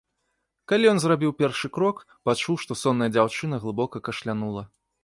Калі ён зрабіў першы крок, пачуў, што сонная дзяўчына глыбока кашлянула.